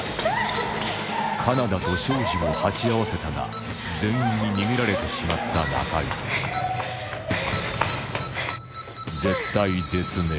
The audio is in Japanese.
金田と庄司も鉢合わせたが全員に逃げられてしまった中井絶体絶命